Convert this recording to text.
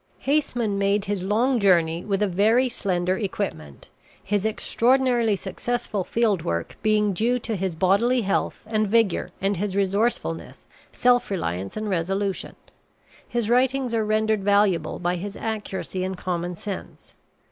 Haseman made his long journey with a very slender equipment, his extraordinarily successful field work being due to his bodily health and vigor and his resourcefulness, self reliance, and resolution. His writings are rendered valuable by his accuracy and common sense.